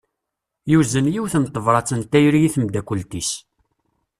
Yuzen yiwet n tebrat n tayri i tmeddakelt-is.